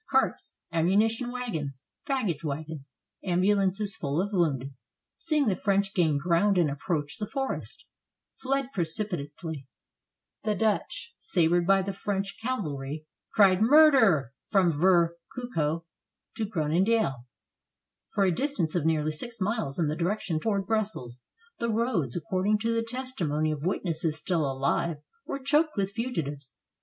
Carts, ammunition wagons, baggage wagons, ambulances full of wounded, seeing the French gain ground and approach the forest, fled precipitately; the Dutch, sabered by the French cavalry cried "Murder!" From Vert Coucou to Groe nendael, for a distance of nearly six miles in the direction toward Brussels, the roads, according to the testimony of witnesses still alive, were choked with fugitives.